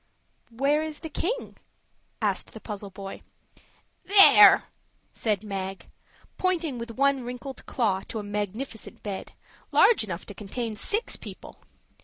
"Where is the King?" asked the puzzled boy. "There," said Mag, pointing with one wrinkled claw to a magnificent bed, large enough to contain six people.